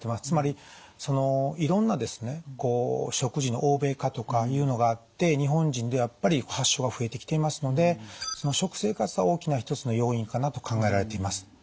つまりそのいろんなですねこう食事の欧米化とかいうのがあって日本人でやっぱり発症が増えてきていますのでその食生活は大きな一つの要因かなと考えられています。